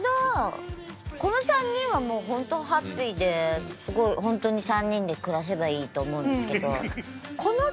この３人はもう本当ハッピーですごい本当に３人で暮らせばいいと思うんですけど。